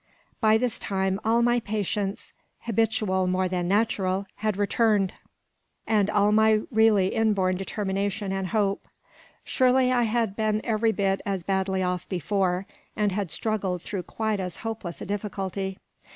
By this time all my patience, habitual more than natural, had returned, and all my really inborn determination and hope. Surely I had been every bit as badly off before, and had struggled through quite as hopeless a difficulty.